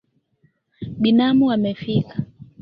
Binamu amefika